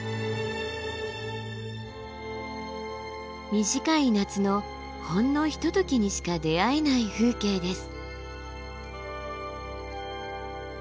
短い夏のほんのひとときにしか出会えない風景です。